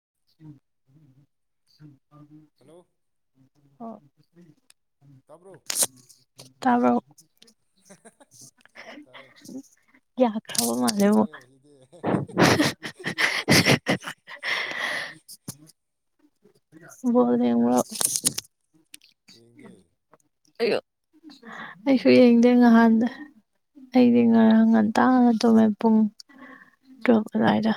ꯎ ꯎ ꯍꯜꯂꯣ ꯎ ꯑꯣ ꯇꯥꯕ꯭ꯔꯣ ꯇꯔꯕ ꯎ ꯇꯥꯏ ꯄꯩꯁꯥ ꯌꯥꯈ꯭ꯔꯕ ꯃꯥꯜꯂꯦꯕꯣ ꯐꯪꯒꯗꯧꯔꯦ ꯁꯤꯗꯤ ꯣꯅꯦ ꯌꯦꯡꯗꯤꯦ ꯎꯝ ꯑꯩꯁꯨ ꯌꯦꯡꯗꯦ ꯉꯍꯥꯟꯗ ꯑꯩꯗꯤ ꯉꯔ ꯉꯥꯟ ꯇꯥꯡꯉꯅ ꯇꯨꯝꯃꯦ ꯄꯨꯡ ꯇꯨꯛ ꯑꯗꯨꯗꯥꯏꯗ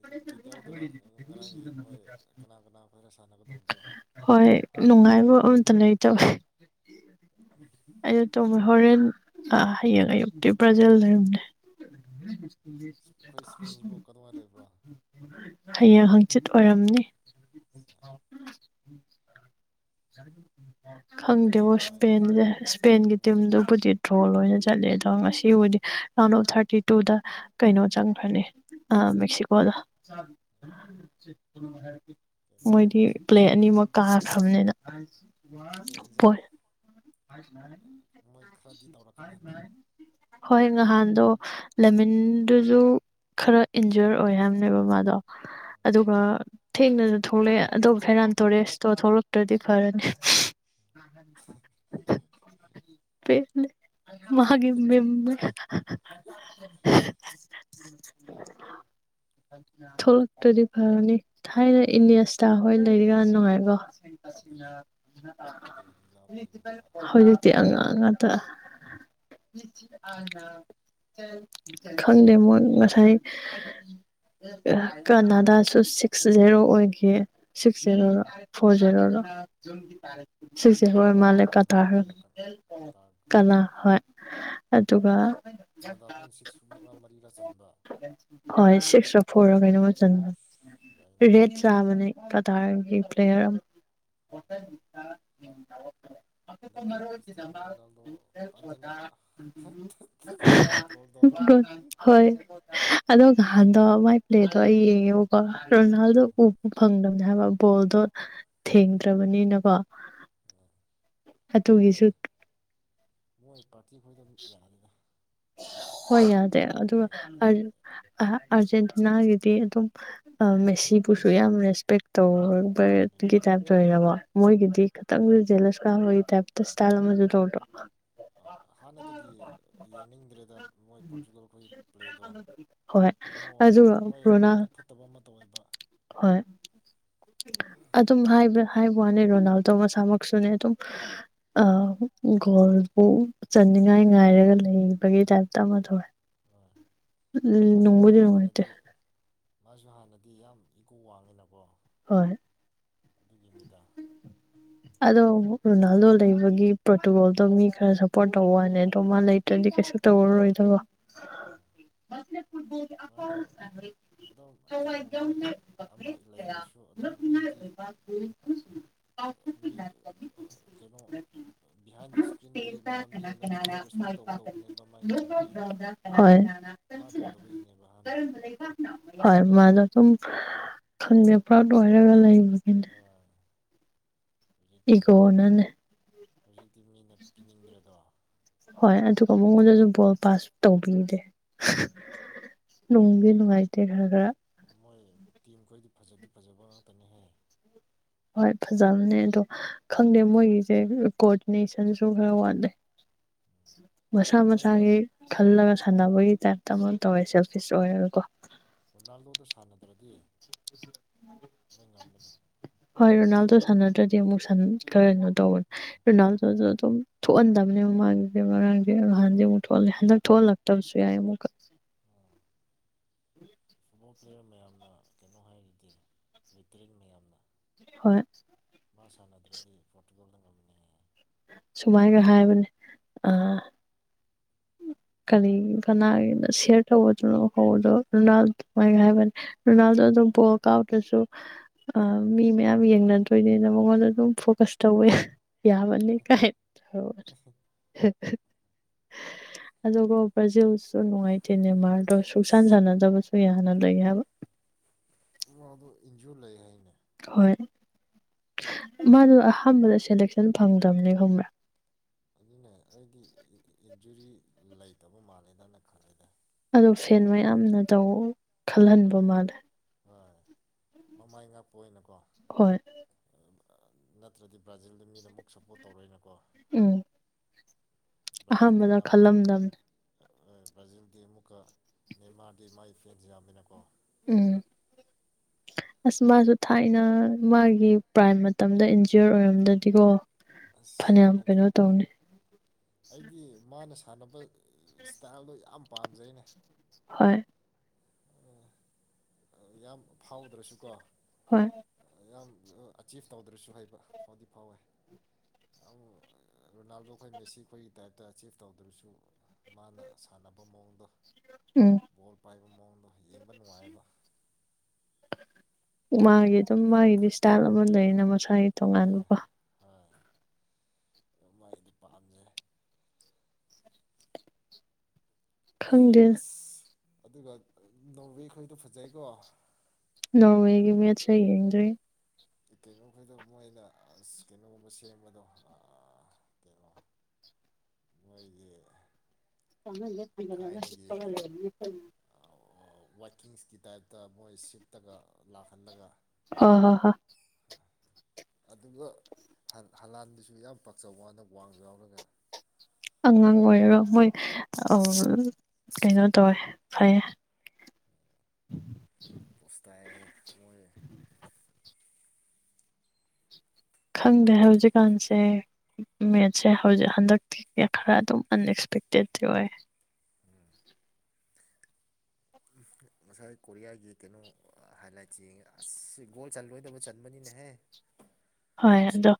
ꯏ ꯗ ꯌꯥꯎꯗꯕ ꯉꯔꯥꯡꯒꯤ ꯃꯣꯏ ꯀꯅꯥ ꯀꯅꯥ ꯑꯩꯈꯣꯏꯅ ꯁꯥꯟꯅꯒꯗꯧꯕꯗꯣ ꯍꯣꯏ ꯅꯨꯡꯉꯥꯏꯕꯣ ꯇ ꯆ ꯑ ꯇ ꯍꯣꯔꯦꯟ ꯍꯌꯦꯡ ꯑꯌꯨꯛꯇꯤ ꯕ꯭ꯔꯥꯖꯤꯜ ꯂꯩꯔꯝꯅꯦ ꯑꯩꯈꯣꯏ ꯏꯁꯄꯦꯟꯁꯤꯕꯨ ꯀꯗꯧꯉꯥꯏ ꯂꯩꯕ꯭ꯔꯣ ꯍ ꯍꯪ ꯆꯤꯠ ꯑꯣꯏꯔꯝꯅꯤ ꯆ ꯍꯟꯗꯛꯇꯤ ꯈꯪꯗꯦꯕ ꯃꯣꯏ ꯏꯁꯄꯦꯟꯁꯦ ꯏꯁꯄꯦꯟꯒꯤ ꯇꯤꯝꯗꯨꯕꯨꯗꯤ ꯗ꯭ꯔꯣ ꯂꯣꯏꯅ ꯆꯠ ꯆꯠꯂꯦ ꯑꯗꯣ ꯉꯁꯤꯕꯨꯕꯗꯤ ꯔꯥꯎꯟ ꯑꯣꯐ ꯊꯥꯔꯇꯤ ꯇꯨꯗ ꯀꯩꯅꯣ ꯆꯪꯈ꯭ꯔꯅꯤ ꯃꯦꯛꯁꯤꯀꯣꯗ ꯃꯣꯏꯗꯤ ꯀꯩꯅꯣꯁꯦ ꯄ꯭ꯂꯦ ꯑꯅꯤꯃꯛ ꯀꯥ ꯊꯝꯅꯤꯅ ꯑ ꯏꯁꯄꯦꯟꯁꯦ ꯍꯣꯏ ꯃꯣꯏ ꯈꯔꯗꯤ ꯇꯧꯔꯛꯀꯅꯤ ꯍꯟꯗꯛ ꯍꯣꯏ ꯉꯍꯥꯟꯗꯣ ꯂꯃꯤꯟꯗꯨꯁꯨ ꯈꯔ ꯏꯟꯖꯔ ꯑꯣꯏ ꯍꯥꯏꯕꯅꯦꯕ ꯃꯥꯗꯣ ꯑꯗꯨꯒ ꯊꯦꯡꯅꯁꯨ ꯊꯣꯛꯂꯛꯑꯦ ꯑꯗꯣ ꯐꯦꯔꯥꯟ ꯇꯣꯔꯦꯁꯇꯣ ꯊꯣꯛꯂꯛꯇ꯭ꯔꯗꯤ ꯐꯔꯅꯦ ꯑ ꯄꯁꯂ ꯃꯥꯒꯤꯃꯦꯃꯦ ꯊꯣꯛꯂꯛꯇꯗꯤ ꯐꯔꯅꯤ ꯊꯥꯏꯅ ꯏꯅꯦꯁꯇ ꯍꯣꯏ ꯂꯩꯔꯤꯀꯥꯟ ꯅꯨꯡꯉꯥꯏꯀꯣ ꯑꯗꯨꯅ ꯗꯦꯕꯤꯠ ꯕꯤꯂꯥ ꯈꯣꯏꯒꯨꯝꯕ ꯇꯅ ꯍꯗꯤ ꯈꯪꯗꯦ ꯃꯣꯏ ꯉꯁꯥꯏ ꯀꯅꯥꯗꯥꯁꯨ ꯁꯤꯛꯁ ꯖꯦꯔꯣ ꯑꯣꯏꯈꯤ ꯁꯤꯛꯁ ꯖꯦꯔꯣꯗꯣ ꯐꯣꯔ ꯖꯦꯔꯣꯗꯣ ꯒꯤ ꯇꯥꯔ ꯁꯤꯁꯦ ꯍꯣꯏ ꯀꯅꯥ ꯃꯥꯜꯂꯦ ꯀꯅꯥꯗ ꯀꯇꯥꯔ ꯑꯩꯈꯣꯏꯒ ꯀꯇꯥꯔ ꯀꯂꯥ ꯑꯩꯈꯣꯏꯒ ꯍꯣꯏ ꯑꯗꯨꯒ ꯀꯅꯥꯗ ꯑꯩꯈꯣꯏꯅ ꯁꯤꯛꯁ ꯃꯔꯤꯔꯥ ꯆꯟꯕ ꯍꯣꯏ ꯁꯤꯛꯁ ꯐꯣꯔ ꯀꯩꯅꯣꯃ ꯆꯟ ꯎꯁ ꯌꯥꯏꯅꯦ ꯔꯦꯠ ꯆꯥꯕꯅꯦ ꯇꯥꯔꯒꯤ ꯄ꯭ꯂꯦꯔꯝ ꯍꯇ ꯍꯟꯗꯛꯇꯤ ꯀ꯭ꯔꯤꯁꯇꯤꯌꯥꯅꯣ ꯔꯣꯅꯥꯜꯗꯣ ꯐꯖꯅ ꯃꯤꯅ ꯇ꯭ꯔꯣꯜ ꯇꯧꯔꯦꯃꯦ ꯍꯣꯏ ꯑꯗꯣ ꯉꯍꯥꯟꯗ ꯃꯥꯏ ꯂꯩꯗꯣ ꯑꯩ ꯌꯦꯡꯉꯦꯕꯕ ꯔꯣꯅꯥꯜꯗꯣ ꯎꯄ ꯐꯪꯕꯅꯦ ꯍꯥꯏꯕ ꯕꯣꯜꯗꯣ ꯊꯦꯡꯗ꯭ꯔꯕꯅꯤꯅꯀꯣ ꯃꯣꯏ ꯑꯗꯨꯒꯤꯁꯨ ꯃꯣꯏ ꯄꯥꯔꯇꯤ ꯈꯣꯏꯗ ꯑꯗꯨꯝ ꯌꯦꯜꯂꯅꯤꯒ ꯍꯣꯏ ꯌꯥꯗꯦ ꯑꯗꯨꯒ ꯑꯥꯔꯖꯦꯟꯇꯤꯅꯥꯒꯤꯗꯤ ꯑꯗꯨꯝ ꯃꯦꯁꯤꯕꯨꯁꯨ ꯌꯥꯝ ꯔꯦꯁꯄꯦꯛ ꯎꯝ ꯇꯧꯕ ꯑꯗꯨꯅꯦ ꯒꯤ ꯇꯥꯏꯞꯇ ꯑꯣꯏꯕ ꯃꯣꯏꯒꯤꯗꯤ ꯈꯤꯇꯪꯁꯨ ꯖꯦꯂꯁ ꯀꯥꯕꯒꯤ ꯇꯥꯏꯞꯇ ꯏꯁꯇꯥꯏꯜ ꯑꯃꯁꯨ ꯇꯧꯕꯗꯣ ꯑ ꯍꯥꯟꯅꯗꯒꯤ ꯌꯦꯡꯅꯤꯡꯕ ꯗ꯭ꯔꯦꯗ ꯃꯣꯏ ꯄꯣꯔꯆꯨꯒꯜ ꯑꯩꯈꯣꯏꯒꯤ ꯄ꯭ꯂꯦꯗꯣ ꯍꯣꯏ ꯀꯩꯅꯣ ꯑꯗꯨꯒ ꯃꯣꯏ ꯔꯣꯅꯥ ꯃꯕꯨꯛ ꯐꯠꯇꯕ ꯑꯃ ꯇꯧꯋꯦꯕ ꯍꯣꯏ ꯋꯥꯅꯦ ꯔꯣꯅꯥꯜꯗꯣ ꯃꯁꯥꯃꯛꯁꯨꯅꯦ ꯑꯗꯨꯝ ꯒꯣꯜꯕꯨ ꯆꯟꯅꯤꯡꯉꯥꯏ ꯉꯥꯏꯔꯒ ꯂꯩ ꯒꯤ ꯇꯥꯏꯞꯇ ꯑꯃ ꯎꯝ ꯊꯣꯛꯑꯦ ꯍꯣꯏ ꯎꯝ ꯃꯥꯁꯨ ꯅꯣꯡꯕꯨꯗꯤ ꯅꯨꯡꯉꯥꯏꯇꯦ ꯍꯥꯟꯅꯗꯤ ꯃꯥꯁꯨ ꯍꯥꯟꯅꯗꯤ ꯌꯥꯝ ꯏꯀꯣ ꯋꯥꯡꯉꯤꯅꯀꯣ ꯍꯣꯏ ꯑꯗꯨꯒꯤ ꯃꯤꯗ ꯑꯗꯣ ꯔꯣꯅꯥꯜꯗꯣ ꯂꯩꯕꯒꯤ ꯄ꯭ꯔꯣꯇꯨꯒꯣꯜꯗꯣ ꯃꯤ ꯈꯔ ꯁꯞꯄꯣꯔꯠ ꯇꯧꯕ ꯋꯥꯅꯦ ꯑꯗꯣ ꯃꯥ ꯂꯩꯇ꯭ꯔꯗꯤ ꯎꯝ ꯀꯩꯁꯨ ꯇꯧꯔꯔꯣꯏꯗꯕ ꯃꯥꯗꯣ ꯑꯗꯨꯝ ꯀꯩꯅꯣ ꯃꯥꯒꯤ ꯑꯃ ꯂꯩꯔꯁꯨ ꯑꯗꯨꯝ ꯃꯤꯗꯤ ꯃꯤ ꯀꯩꯅꯣ ꯕꯤꯍꯥꯏꯟ ꯗ ꯏꯁꯀ꯭ꯔꯤꯟꯒꯤ ꯃꯥ ꯃꯤꯉꯣꯟꯗꯗꯤ ꯈꯔ ꯔꯦꯁꯄꯦꯛ ꯇꯧꯒꯗꯧꯕꯅꯦꯕ ꯃꯒꯤ ꯇꯤꯝꯒꯤ ꯃꯥ ꯇꯧꯗꯕꯒꯤꯅꯦꯕ ꯍꯥꯟꯅ ꯍ ꯃꯅ ꯈꯟ ꯄ꯭ꯔꯥꯎ ꯇ ꯋꯥꯔꯒ ꯂ ꯀ ꯏꯒꯣ ꯅꯅꯦ ꯍꯧꯖꯤ ꯍꯣꯏ ꯑꯗꯨꯒ ꯃꯉꯣꯟꯗꯁꯨ ꯕꯣꯜ ꯄꯥꯁ ꯇꯧꯕꯤꯗꯦ ꯅꯨꯡꯗꯤ ꯅꯨꯡꯉꯥꯏꯇꯦ ꯈꯔ ꯈꯔ ꯃꯣꯏ ꯇꯤꯝ ꯈꯣꯏꯗꯤ ꯐꯖꯗꯤ ꯐꯖꯕ ꯉꯥꯛꯇꯅꯦꯍ ꯍꯣꯏ ꯐꯖꯕꯅꯦ ꯑꯗꯣ ꯈꯪꯗꯦ ꯃꯣꯏꯒꯤꯁꯦ ꯀꯣꯑꯣꯗꯤꯅꯦꯁꯟꯁꯨ ꯈꯔ ꯋꯥꯠꯂꯦ ꯃꯁꯥ ꯃꯣꯏꯗꯣ ꯃꯁꯥꯒꯤ ꯈꯜꯂ ꯁꯥꯟꯅꯕꯒꯤ ꯇꯥꯏꯞꯇ ꯑꯃꯨꯛ ꯇꯧꯔꯦ ꯁꯔꯐꯤꯁ ꯑꯣꯏꯔꯒꯀꯣ ꯔꯣꯅꯥꯜꯗꯣꯗ ꯁꯥꯟꯅꯗ꯭ꯔꯗꯤ ꯃꯣꯏ ꯉꯝꯒꯅꯤ ꯍꯣꯏ ꯔꯣꯅꯥꯜꯗꯣ ꯁꯥꯟꯅꯗ꯭ꯔꯗꯤ ꯑꯃꯨꯛ ꯀꯩꯅꯣ ꯇꯧꯕꯅꯦ ꯎꯝ ꯔꯣꯅꯥꯜꯗꯣꯗ ꯑꯗꯨꯝ ꯊꯣꯛꯍꯟꯗꯕꯅꯦ ꯃꯥꯒꯤꯁꯦ ꯃꯔꯥꯡꯁꯦ ꯅꯍꯥꯟꯗꯤ ꯑꯃꯨꯛ ꯊꯣꯛꯍꯜꯂꯦ ꯍꯟꯗꯛ ꯊꯣꯛꯍꯜꯂꯛꯇꯕꯁꯨ ꯌꯥꯏ ꯑꯃꯨꯛꯀ ꯎꯝ ꯐꯨꯠꯕꯣꯜ ꯄ꯭ꯂꯦꯌꯔ ꯃꯌꯥꯝꯅ ꯀꯩꯅꯣ ꯍꯥꯏꯔꯗꯤ ꯇꯔꯤꯛ ꯃꯌꯥꯝꯅ ꯍꯣꯏ ꯃꯥ ꯁꯥꯟꯅꯗ꯭ꯔꯗꯤ ꯄꯣꯔꯇꯨꯒꯜꯗ ꯉꯝꯃꯤꯟꯅꯉꯦ ꯁꯨꯃꯥꯏꯒ ꯍꯥꯏꯕꯅꯦ ꯑꯥ ꯀꯔꯤꯒꯤ ꯀꯅꯥꯒꯤꯅ ꯁꯤꯌꯥꯔ ꯇꯧꯕꯗꯨꯅ ꯍꯧꯕꯗꯣ ꯔꯣꯅꯥꯜꯗꯃꯥꯏꯅ ꯍꯥꯏꯕꯅꯤ ꯔꯣꯅꯥꯜꯗꯣ ꯑꯗꯨꯝ ꯕꯣꯜ ꯑꯥꯎꯠꯇꯁꯨ ꯃꯤ ꯃꯌꯥꯝ ꯌꯦꯡꯅꯗꯣꯏꯅꯤꯅ ꯃꯉꯣꯟꯗ ꯑꯗꯨꯝ ꯐꯣꯀꯁ ꯇꯧꯕ ꯌꯥꯕꯅꯤ ꯀ ꯁꯁꯨ [unintelligible] ꯑꯗꯨꯒ ꯄ꯭ꯔꯖꯤꯁꯨ ꯅꯨꯡꯉꯥꯏꯇꯦꯅꯦ ꯃꯥ ꯁꯨ ꯁꯥꯟ ꯑꯁ ꯁꯥꯟꯅꯖꯕ ꯑꯗꯨ ꯌꯥꯅꯗ꯭ꯔꯣꯏ ꯍꯥꯏꯕ ꯋꯥ ꯑꯗꯨ ꯏꯟꯖꯤꯑꯣ ꯂ ꯍꯥꯏ ꯍꯣꯏ ꯃꯥꯗꯣ ꯑꯍꯥꯟꯕꯗ ꯁꯦꯂꯦꯛꯁꯟ ꯐꯪꯗ꯭ꯔꯕꯅꯦ ꯈꯪꯕ꯭ꯔꯥ ꯑꯗꯨꯅꯦ ꯑꯩꯒꯤ ꯖꯨꯔꯤ ꯂꯩꯇꯕ ꯃꯥꯜꯂꯦꯅꯅ ꯈꯜꯂꯦꯗ ꯑꯣ ꯐꯦꯟ ꯃꯌꯥꯝꯅ ꯇꯧ ꯈꯜꯍꯟꯕ ꯍꯣꯏ ꯃꯥꯜꯂꯦ ꯍꯣꯏ ꯃꯃꯥꯏ ꯉꯥꯛꯄ ꯑꯣꯏꯅꯀꯣ ꯍꯣꯏ ꯅꯠꯇ꯭ꯔꯗꯤ ꯕ꯭ꯔꯥꯖꯤꯜꯗ ꯃꯤꯅ ꯑꯃꯨꯛ ꯁꯞꯄꯣꯔꯠ ꯇꯧꯔꯣꯏꯅꯀꯣ ꯎꯝ ꯕ꯭ꯔꯥꯖꯤꯜꯗꯤ ꯑꯍꯥꯟꯕꯅ ꯑꯅꯝꯕ ꯈꯜꯂꯝꯗꯝꯅꯤ ꯕ꯭ꯔꯥꯖꯤꯜꯗꯤ ꯑꯃꯨꯛꯀ ꯅ ꯃꯥꯥꯗꯤ ꯃꯥꯥꯏ ꯐꯦꯟꯁꯦ ꯌꯥꯝꯃꯤꯅꯀꯣ ꯎꯝ ꯑꯁ ꯃꯥꯁꯨ ꯊꯥꯏꯅ ꯃꯥꯒꯤ ꯄ꯭ꯔꯥꯏꯝ ꯃꯇꯝꯗ ꯏꯟꯖꯔ ꯑꯣꯏꯔꯝꯗ꯭ꯔꯗꯤꯀꯣ ꯑꯁ ꯑꯗꯨꯅꯤꯅꯦ ꯑꯩꯗꯤ ꯃꯥꯅ ꯊꯥꯟꯅꯅꯕ ꯍꯣꯏ ꯑꯣ ꯌꯥꯝ ꯐꯥꯎꯗ꯭ꯔꯁꯨꯀꯣ ꯍꯣꯏ ꯌꯥꯝ ꯑꯆꯤꯞ ꯇꯧꯗ꯭ꯔꯁꯨ ꯍꯩꯕ ꯐꯥꯎꯗꯤ ꯐꯥꯎꯋꯦ ꯌꯥꯝ ꯔꯣꯅꯥꯜꯗꯣ ꯑꯩꯈꯣꯏ ꯃꯦꯁꯤ ꯑꯩꯈꯣꯏꯒꯤ ꯇꯥꯏꯞꯇ ꯑꯆꯤꯞ ꯇꯧꯗ꯭ꯔꯁꯨ ꯃꯥꯅ ꯁꯥꯟꯅꯕ ꯃꯑꯣꯡꯗꯣ ꯎꯝ ꯄꯥꯏ ꯌꯦꯡꯕ ꯅꯨꯡꯉꯥꯏꯕ ꯃꯥꯒꯤ ꯑꯗꯨꯝ ꯃꯥꯒꯤꯗꯤ ꯏꯁꯇꯥꯏꯜ ꯑꯃ ꯂꯩꯅ ꯃꯁꯥꯒꯤ ꯍꯣꯏ ꯇꯣꯉꯥꯟꯕꯀꯣ ꯃꯥꯏ ꯑꯗꯨ ꯄꯥꯝꯃꯦ ꯈꯪꯗꯦ ꯑꯁ ꯑꯗꯨꯒ ꯅꯧꯕ ꯑꯩꯈꯣꯏꯗ ꯐꯖꯩꯀꯣ ꯅ ꯍꯦꯒꯤ ꯃꯁ ꯌꯦꯡꯡꯔꯤ ꯀꯩꯅꯣꯈꯩꯗꯣ ꯃꯣꯏꯅ ꯑꯁ ꯀꯩꯅꯣꯒꯨꯝꯕ ꯁꯦꯝꯕꯗꯣ ꯀꯩꯅꯣ ꯃꯣꯏꯒꯤ ꯊꯥꯏꯅꯒꯤ [unintelligible] ꯋꯥꯏꯀꯤꯡꯁꯀꯤ ꯇꯥꯏꯞꯇ ꯃꯣꯏ ꯁꯤꯞꯇꯒ ꯂꯥꯛꯍꯜꯂꯒ [unintelligible] ꯑꯗꯨꯒ ꯍꯂꯥꯟꯗꯨꯁꯨ ꯌꯥꯝ ꯄꯥꯛꯆꯕ ꯋꯥꯅ ꯋꯥꯡꯁꯨ ꯌꯥꯎꯔꯒ ꯑꯉꯥꯡ ꯑꯣꯏꯔꯒ ꯃꯣꯏ ꯀꯩꯅꯣ ꯇꯧꯋꯦ ꯐꯩꯌꯦ ꯄꯣꯁꯇꯥꯏ ꯃꯣꯏ ꯈꯪꯗ꯭ꯔꯦ ꯍꯧꯖꯤꯛꯀꯥꯟꯁꯦ ꯃꯦꯠꯁꯦ ꯍꯧꯖꯤꯛ ꯍꯟꯗꯛꯇꯤ ꯈꯔ ꯑꯗꯨꯝ ꯑꯟꯑꯛꯁꯄꯦꯛꯇꯦꯠꯇꯤ ꯑꯣꯏ ꯉꯁꯥꯏ ꯀꯣꯔꯤꯌꯥꯒꯤ ꯀꯩꯅꯣ ꯍꯥꯏꯂꯥꯏꯠꯁꯤꯉꯦ ꯑꯁ ꯒꯣꯜ ꯆꯜꯂꯣꯏꯗꯕ ꯆꯟꯕꯅꯤꯅꯍꯦ ꯍꯣꯏ ꯑꯗꯣ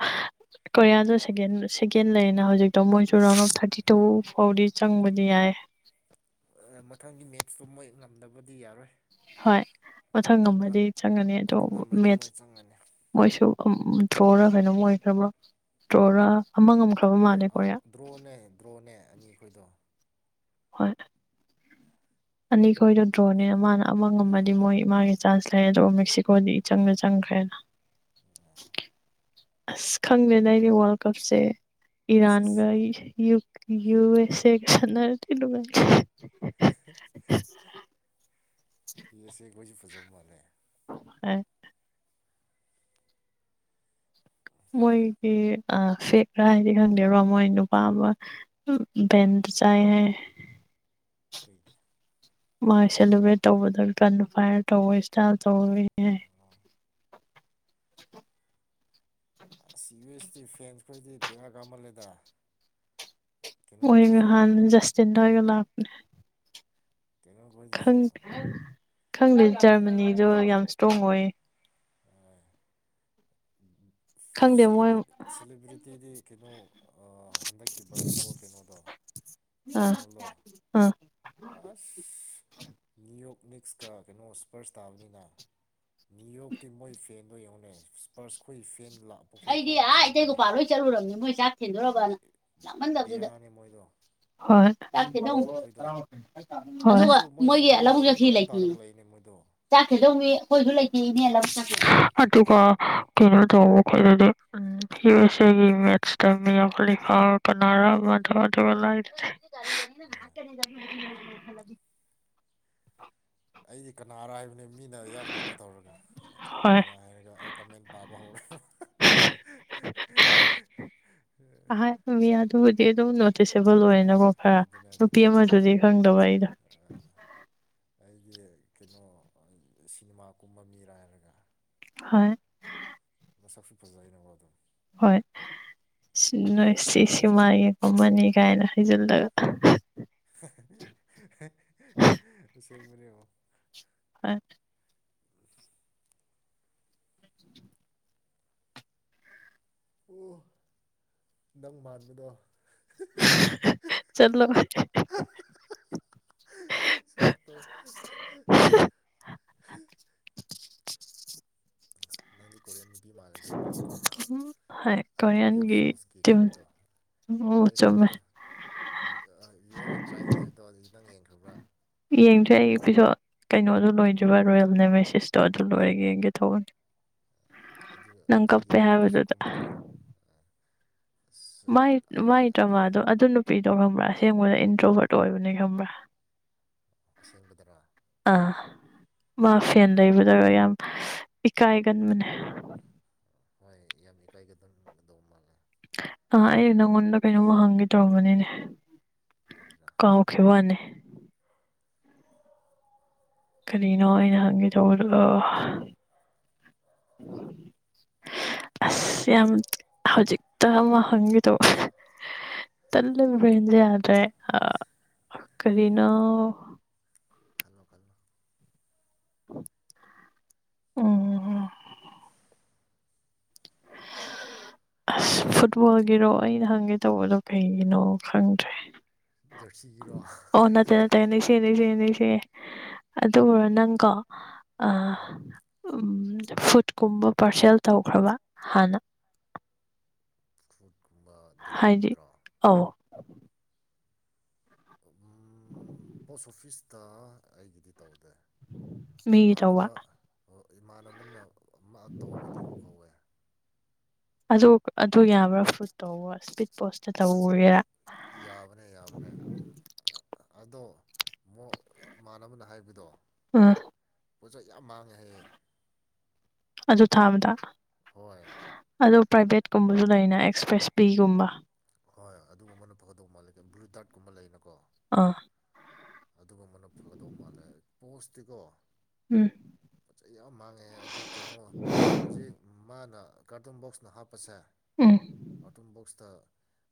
ꯀꯣꯔꯤꯌꯥꯗ ꯁꯦꯦꯟ ꯁꯦꯀꯦꯟ ꯂꯩꯌꯦꯅ ꯍꯧꯖꯤꯛꯇꯣ ꯃꯣꯏꯁꯨ ꯔꯥꯎꯟ ꯑꯣꯐ ꯊꯥꯔꯇꯤ ꯇꯨ ꯐꯥꯎꯗꯤ ꯆꯪꯕꯗꯤ ꯌꯥꯏ ꯃꯊꯪꯒꯤ ꯃꯦꯠꯁꯇꯣ ꯃꯣꯏ ꯉꯝꯗꯕꯗꯤ ꯌꯥꯔꯣꯏ ꯍꯣꯏ ꯃꯊꯪ ꯑꯗꯨ ꯑꯃꯗꯤ ꯆꯪꯒꯅꯤ ꯑꯗꯣ ꯑꯗꯨ ꯉꯝꯃꯗꯤ ꯃꯦ ꯃꯣꯏ ꯆꯪꯉꯅꯤ ꯃꯣꯏꯁꯨ ꯊ꯭ꯔꯣꯔ ꯀꯩꯅꯣꯝ ꯑꯣꯏꯈ꯭ꯔꯕ꯭ꯔꯣ ꯇꯣꯔ ꯑꯃ ꯉꯝꯈ꯭ꯔꯕ ꯑ- ꯃꯥꯜꯂꯦ ꯑ- ꯀꯣꯔꯤꯌꯥ ꯗ꯭ꯔꯣꯅꯦ ꯗ꯭ꯔꯣꯅꯦ ꯑꯅꯤ ꯑꯩꯈꯣꯏꯗꯣ ꯍꯣꯏ ꯑꯅꯤꯈꯣꯏꯗꯣ ꯄꯣ- ꯗ꯭ꯔꯣꯅꯦꯅ ꯃꯥꯅ ꯑꯃ ꯉꯝꯃꯗꯤ ꯑꯥ ꯃꯣꯏ ꯃꯥꯒꯤ ꯆꯥꯟꯁ ꯂꯩ ꯑꯗꯨ ꯃꯦꯛꯁꯤꯀꯣꯗꯤ ꯏꯆꯪꯗ ꯆꯪꯈ꯭ꯔꯦꯅ ꯑꯁ ꯈꯪꯗꯦꯅ ꯑꯩꯅꯦ ꯋꯥꯔꯜ ꯀꯞꯁꯦ ꯏꯔꯥꯟꯒ ꯁꯤꯁ [unintelligible] [unintelligible] ꯏꯁꯦ ꯣꯏꯁꯨ ꯐꯖꯕ ꯃꯥꯅꯦ [unintelligible] ꯍ [unintelligible] ꯃꯣꯏꯒꯤ ꯐꯦꯛꯀ꯭ꯔꯥ ꯍꯥꯏꯗꯤ ꯈꯪꯗꯦꯕꯣ ꯃꯣꯏ ꯅꯨꯄꯥ ꯑꯃ ꯕꯦꯟꯗ ꯆꯥꯏ ꯍꯥꯏ ꯀꯩꯗ ꯃꯥꯥꯏ ꯁꯦꯂꯦꯕ꯭ꯔꯦꯠ ꯇꯧꯕꯗ ꯀꯟꯅ ꯐꯥꯏꯌꯔ ꯇꯧꯋ ꯏꯁꯇꯥꯏꯜ ꯇꯧꯔꯣꯏ ꯑꯁ ꯌꯨ ꯑꯦꯁ ꯇꯤ ꯐꯦꯟꯁ ꯈꯣꯏꯗꯤ ꯕꯦꯔꯥ ꯀꯥꯃꯜꯂꯦꯗ ꯑꯣꯏ ꯀꯩꯅꯣꯒꯤꯗꯨꯁꯨ ꯉꯍꯟ ꯍꯥꯟꯖꯁꯇ [unintelligible] ꯀꯩꯅꯣꯈꯣꯏꯗꯨꯁꯨ ꯈꯪꯗꯦ ꯖꯔꯃꯅꯤꯗꯣ ꯌꯥꯝ ꯇꯨꯡꯒꯣꯏ ꯃꯣꯏ ꯁꯦꯂꯤꯦꯕ꯭ꯔꯤꯇꯤꯗꯤ ꯀꯩꯅꯣ ꯍꯟꯗꯛꯀꯤ ꯕꯥꯁꯀꯦꯠꯕꯣꯜ ꯀꯩꯅꯣꯗꯣ ꯑꯥ ꯐꯥꯏꯅꯦꯜꯗꯣ ꯑꯥ ꯑꯁ ꯅ꯭ꯌꯨ ꯌꯣꯛ ꯄ ꯃꯤꯅꯤꯛꯁꯀ ꯀꯩꯅꯣ ꯁ꯭ꯄꯔꯁ ꯇꯥꯕꯅꯤꯅ ꯅꯅꯤꯌꯨ ꯌꯣꯔꯇꯤ ꯃꯣꯏ ꯐꯦꯟꯕ ꯌꯧꯅꯦ ꯄꯔꯁꯈꯣꯏ ꯐꯦꯟ ꯑꯩꯗꯤ ꯑꯥ ꯐꯨꯕꯅꯦ ꯏꯇꯩꯒꯣꯄꯥ ꯂꯣꯏ ꯆꯠꯂꯨꯔꯕꯅꯤ ꯃꯣꯏ ꯆꯥꯛ ꯕꯦ ꯊꯦꯟꯗꯣꯔꯔꯕꯅ ꯌꯥꯝꯥꯃꯟꯗꯕꯗꯨꯗ ꯕꯦꯔꯥꯅꯦ ꯃꯣꯏꯗꯣ ꯆꯥꯛ ꯅꯤ- ꯊꯗꯧ ꯅꯤꯌꯣ ꯑꯩꯈꯣꯏꯗꯣ ꯑꯗꯨꯒ ꯍꯧꯖꯤꯛꯁꯨ ꯃꯣꯏ ꯃꯣꯏꯒꯤ ꯐꯨꯠꯕꯣꯜꯗ ꯂꯧꯕꯨꯛ ꯌꯥꯝ ꯆꯁꯤ ꯀꯔꯟ ꯂꯩꯇꯅꯤ ꯇꯥꯔꯒ ꯂꯩꯅꯦ ꯃꯣꯏꯗꯣ ꯆꯥꯛ ꯊꯦꯟꯗꯧꯅꯤ ꯑꯩꯈꯣꯏꯁꯨ ꯂꯩꯇ ꯑꯗꯨꯒ ꯀꯩꯅꯩꯅꯣ ꯇ ꯑꯩꯈꯣꯏꯗꯗꯤꯁꯒꯤ ꯃꯦꯠꯁꯇ ꯃꯤ ꯑꯃꯥ ꯀꯅꯥꯔꯝꯕ ꯑꯗꯨꯒ ꯑꯗꯨꯒ ꯂꯥꯛꯦ ꯑꯩꯗꯤ ꯀꯅꯥꯔ ꯍꯥꯏꯕꯅꯦꯕ ꯃꯤꯅ ꯌꯥꯝ ꯀꯩꯅꯣ ꯇꯧꯔꯒ ꯀꯦꯔ ꯍꯣꯏ ꯀꯔ ꯍꯥꯏꯔꯒ ꯑꯩ ꯀꯃꯦꯟ ꯄꯥꯕ ꯍꯧꯔ ꯗꯤꯁꯑꯦꯕꯜ ꯑꯣꯏꯅꯀꯣ ꯈꯔ ꯅꯨꯄꯤ ꯑꯃꯗꯨꯗꯤ ꯈꯪꯗꯕ ꯑꯩꯗꯣ ꯑꯩꯒꯤ ꯀꯩꯅꯣ ꯁꯤꯅꯦꯃꯥ ꯀꯨꯝꯕ ꯃꯤꯔ ꯍꯥꯏꯔꯒ ꯍꯣꯏ ꯃꯁꯛꯁꯨ ꯐꯖꯩ ꯑꯩꯅ ꯋꯥꯗꯣ ꯍꯣꯏ ꯁꯤ ꯅꯣꯏ ꯁꯤ ꯁꯤꯃꯒꯤꯡ ꯀꯣꯃꯅꯤ ꯀꯥꯏꯅ ꯍꯩꯖꯤꯜꯂꯒ ꯇ ꯃꯣ ꯑ ꯎ ꯑꯣ ꯅꯪ ꯃꯥꯟꯕꯗꯣ ꯆꯠꯂꯣ ꯁꯠ ꯂꯪ ꯀꯣꯔꯤꯌꯥꯟ ꯄꯤ ꯃꯥꯜꯂꯦꯗ ꯀꯩꯅꯣꯒꯤꯗꯣ ꯍꯣꯏ ꯑꯜꯀꯃꯤ ꯑꯣꯐ ꯀꯣꯔꯤꯌꯟꯒꯤ ꯁꯣꯜꯁꯀꯤ ꯇꯤꯝ ꯀꯩꯅꯣꯗꯣ ꯑꯣ ꯑꯗꯨꯗꯩ ꯆꯨꯝꯃꯦ ꯀꯩꯅꯣꯗꯣ ꯌꯣꯜꯂ ꯇ꯭ꯔꯥꯏ ꯍꯤꯌꯔꯗꯣ ꯍꯧ ꯈꯤꯇꯪ ꯌꯦꯡ ꯊꯕ꯭ꯔꯥ ꯌꯦꯡꯗ꯭ꯔꯦ ꯑꯩ ꯄꯤꯁꯣ ꯀꯩꯅꯣꯗꯣ ꯂꯣꯏꯗ꯭ꯔꯤꯕ ꯔꯣꯌꯦꯜꯅꯦ ꯃꯦꯁꯤꯦꯁꯇꯣ ꯑꯗꯨ ꯂꯣꯏꯔꯒ ꯌꯦꯡꯒꯦ ꯊꯧꯕꯅꯦ ꯑꯗꯨ ꯑꯗꯨꯒꯤ ꯑꯗꯨꯗꯁꯨ ꯀꯨꯝꯕꯗꯨꯅꯤ ꯑꯁ ꯃꯥꯏ ꯃꯥꯏ ꯗ꯭ꯔꯃꯥꯗꯣ ꯑꯗꯨ ꯅꯨꯄꯤꯗꯣ ꯈꯪꯕ꯭ꯔꯥ ꯑꯁꯦꯡꯕꯗ ꯏꯟꯗ꯭ꯔꯣꯚꯔꯠ ꯑꯣꯏꯕꯅꯦ ꯈꯪꯕ꯭ꯔꯥ ꯑꯁꯦꯡꯕꯗꯔꯥ ꯑꯥ ꯃꯥ ꯐꯦꯟ ꯂꯩꯕꯗꯒ ꯌꯥꯝ ꯏꯀꯥꯏꯒꯟꯕꯅꯦ ꯍꯣꯏ ꯌꯥꯝ ꯏꯀꯥꯏꯒꯗꯧꯒꯗꯧꯕ ꯃꯥꯜꯂꯦ ꯑ ꯑꯩ ꯅꯪꯉꯣꯟꯗ ꯀꯩꯅꯣꯝꯃ ꯍꯪꯒꯦ ꯇꯧꯝꯕꯅꯤꯅꯦ ꯀꯔꯤꯔꯥ ꯀꯥꯎ ꯈ ꯋꯥꯅꯦ ꯀꯔꯤꯅꯣ ꯑꯩꯅ ꯍꯪꯒꯦ ꯇꯧꯕꯗꯣ ꯑꯁ ꯌꯥꯝ ꯍꯧꯖꯤꯛꯇ ꯑꯃ ꯍꯪꯒꯦ ꯇꯧꯕ ꯇꯜꯂ ꯕ꯭ꯔꯦꯟꯁꯦ ꯌꯥꯗ꯭ꯔꯦ ꯀꯔꯤꯅꯣ ꯈꯜꯂꯣ ꯈꯜꯂꯣ ꯎꯝ ꯑꯁ ꯐꯨꯠꯕꯣꯜꯒꯤꯔꯣ ꯑꯩꯅ ꯍꯪꯒꯦ ꯇꯧꯕꯗꯣ ꯀꯩꯒꯤꯅꯣ ꯈꯪꯗ꯭ꯔꯦ ꯖꯔꯁꯤꯒꯤꯔꯣ ꯑꯣ ꯅꯠꯇꯦ ꯅꯠꯇꯦ ꯅꯤꯡꯁꯤ ꯅꯤꯡꯁꯤꯁꯤ ꯑꯗꯨꯔꯣ ꯅꯪꯀꯣ ꯐꯨꯗꯀꯨꯝꯕ ꯄꯥꯔꯁꯦꯜ ꯇꯧꯈ꯭ꯔꯕ ꯍꯥꯟꯅ ꯐꯨꯠꯀꯨꯝꯕ ꯍꯥꯏꯗꯤ ꯗꯦꯜꯂꯤꯒꯨꯝꯕꯗ꯭ꯔꯣ ꯑ ꯄꯣꯁ ꯑꯣꯐꯤꯁꯇ ꯑꯩꯒꯤꯗꯤ ꯇꯧꯅꯤ ꯃꯤꯒꯤ ꯇꯧꯕ ꯏꯃꯥꯟꯅꯕ ꯏꯃꯥꯟꯅꯕꯅ ꯃꯥ ꯇꯧꯕꯗꯤ ꯎꯍꯧꯋꯦ ꯑꯗꯨ ꯑꯗꯨ ꯌꯥꯕ꯭ꯔꯥ ꯐꯨꯠ ꯇꯧꯕ ꯏꯁꯄꯤꯠ ꯄꯣꯁꯇ ꯇꯧꯒꯦꯔꯥ ꯌꯥꯕꯅꯦ ꯌꯥꯕꯅꯦ ꯑꯗꯣ ꯏꯃꯥꯟꯅꯕꯅ ꯍꯥꯏꯕꯗꯣ ꯑꯝ ꯄꯣꯠꯁꯛ ꯌꯥꯝ ꯃꯥꯡꯉꯦꯍ ꯑꯗꯨ ꯊꯥꯕꯗ ꯍꯣꯏꯣꯏ ꯑꯗꯣ ꯄ꯭ꯔꯥꯏꯚꯦꯠꯀꯨꯝꯕꯁꯨ ꯂꯩꯅ ꯑꯦꯛꯁꯄ꯭ꯔꯦꯁ ꯄꯕꯤꯒꯨꯝꯕ ꯍꯣꯏ ꯑꯗꯨꯒꯨꯝꯕꯅ ꯐꯒꯗꯧꯕꯧ ꯃꯥꯜꯂꯦ ꯕ꯭ꯂꯨ ꯇꯔꯠꯀꯨꯝꯕ ꯂꯩꯅꯀꯣ ꯑꯥ ꯑꯗꯨꯒꯨꯝꯕꯅ ꯐꯒꯗꯧ ꯃꯥꯜꯂꯦ ꯄꯣꯁꯇꯤꯀꯣ ꯎꯝ ꯄꯣꯠꯆꯩ ꯌꯥꯝ ꯃꯥꯡꯉꯦ ꯑꯗꯨ ꯀꯩꯅꯣ ꯍꯧꯖꯤꯛ ꯃꯥꯅ ꯀꯔꯇꯨ ꯕꯣꯛꯁꯅ ꯍꯥꯞꯄ ꯄꯁ ꯎꯝ ꯑꯣꯇꯟ ꯕꯣꯛꯁꯇ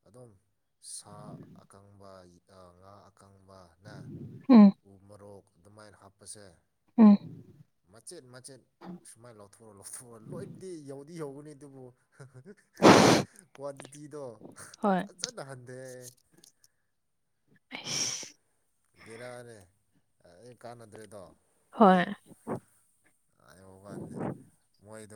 ꯑꯗꯨꯝ ꯁꯥ ꯑꯀꯪꯕ ꯉꯥ ꯎꯝ ꯎꯃꯔꯣꯛ ꯑꯗꯨꯃꯥꯏꯅ ꯍꯥꯞꯄꯁꯦ ꯎꯝ ꯃꯆꯦꯠ ꯃꯆꯦꯠ ꯁꯨꯃꯥꯏꯅ ꯂꯧꯊꯣꯛꯑ ꯂꯧꯊꯣꯛ ꯂꯣꯏꯗꯤ ꯌꯧ ꯗꯤ ꯌꯧꯒꯅꯤ ꯑꯗꯨꯕꯨ ꯀ꯭ꯋꯥꯟꯇꯤꯇꯤꯗꯣ ꯍꯣꯏ ꯐꯖꯅ ꯍꯟꯊꯦ ꯑꯩꯁ ꯔꯅꯦ ꯑꯩ ꯀꯥꯟꯅꯗ꯭ꯔꯦꯗꯣ ꯍꯣꯏ ꯌ‌ ꯑꯅꯤ ꯃꯥꯛ ꯃꯣꯏ